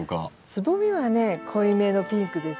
つぼみはね濃いめのピンクですよね。